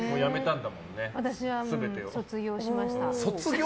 私は卒業しました。